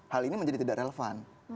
hal ini menjadi tidak relevan